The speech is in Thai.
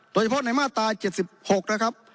โดยเฉพาะในมาตรา๗๖นะครับ